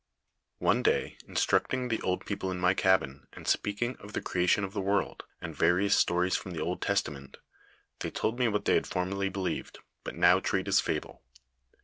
"One day instructing the old people in my cabin, and speaking of the creation of the world, and various stories from the Old Testament, they told me what they had formerly be lieved, but now treat as a fable.